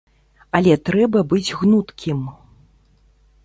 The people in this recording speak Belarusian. Але трэба быць гнуткім.